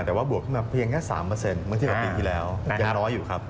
แต่ว่าบวกขึ้นมาเพียงแค่๓เมื่อเทียบกับปีที่แล้วยังน้อยอยู่ครับ